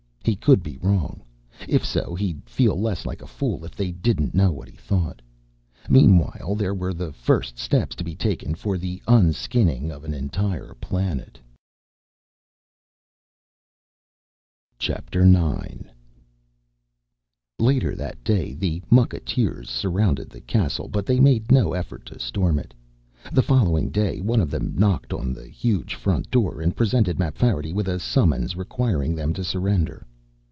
He could be wrong. If so, he'd feel less like a fool if they didn't know what he thought. Meanwhile, there were the first steps to be taken for the unskinning of an entire planet. IX Later that day the mucketeers surrounded the castle but they made no effort to storm it. The following day one of them knocked on the huge front door and presented Mapfarity with a summons requiring them to surrender.